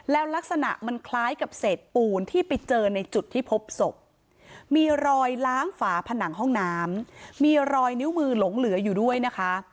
แล้วลักษณะมันคล้ายกับเศษปูนที่ไปเจอในจุดที่พบศพมีรอยล้างฝาผนังห้องน้ำมีรอยนิ้วมือหลงเหลืออยู่ด้วยนะคะ